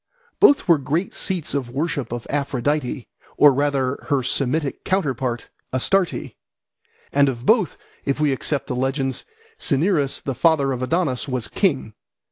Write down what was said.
Both were great seats of the worship of Aphrodite, or rather of her Semitic counterpart, Astarte; and of both, if we accept the legends, Cinyras, the father of Adonis, was king.